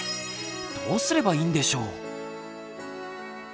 どうすればいいんでしょう？